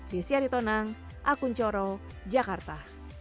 desyari tonang akun coro jakarta